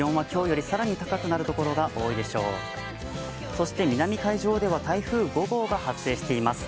そして南海上では台風５号が発生しています。